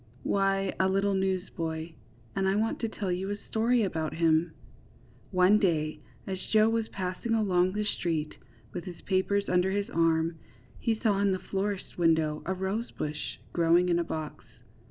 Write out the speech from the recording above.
Why, a little newsboy, and I want to tell you a story about him. One day as Joe was passing along the street, with his papers under his arm, he saw in the florist's window a rosebush growing in a box.